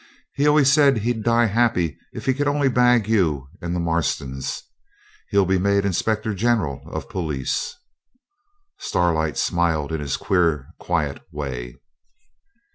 He always said he'd die happy if he could only bag you and the Marstons. He'll be made Inspector General of Police.' Starlight smiled in his queer, quiet way.